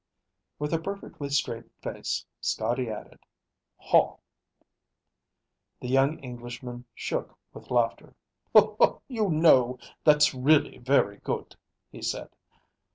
With a perfectly straight face, Scotty added, "Haw!" The young Englishman shook with laughter. "You know, that's really very good," he said.